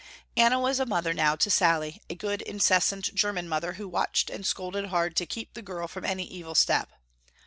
Anna was a mother now to Sallie, a good incessant german mother who watched and scolded hard to keep the girl from any evil step.